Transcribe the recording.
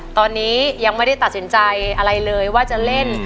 ตอนนี้ยังไม่ได้ตัดสินใจอะไรเลยว่าจะเล่น